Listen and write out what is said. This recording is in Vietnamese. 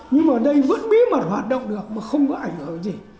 nhưng mà ở đây vẫn biết mà hoạt động được mà không có ảnh hưởng gì